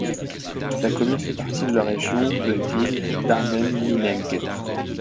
La commune fait partie de la région de ville d'Arnhem-Nimègue.